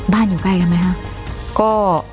อยู่ใกล้กันไหมคะ